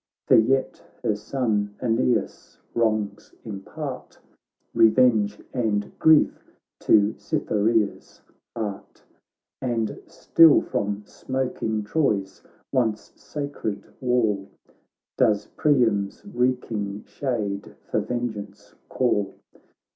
For yet her son Aeneas' wrongs impart Revenge and grief to Cytherea's heart ; And still fromsmoking Troy's oncesacred wall Does Priam's reeking shade for ven geance call.